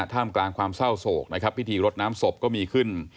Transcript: ท่ามกลางความเศร้าโศกนะครับพิธีรดน้ำศพก็มีขึ้น